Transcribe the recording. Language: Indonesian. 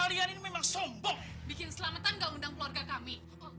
kalian ini memang sombok bikin selamatan gak undang keluarga kami